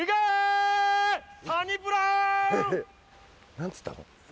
何つったの？